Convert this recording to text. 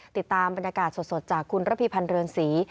ติดตามบรรยากาศสดจากคุณระพีพันธ์เรือนศรี